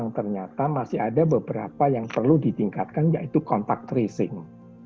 ternyata masih ada beberapa yang perlu ditingkatkan yaitu kontak tracing